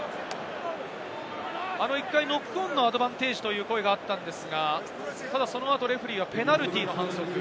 １回、ノックオンのアドバンテージという声があったのですが、その後、レフェリーはペナルティーの反則。